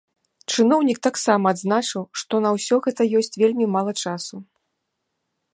Чыноўнік таксама адзначыў, што на ўсё гэта ёсць вельмі мала часу.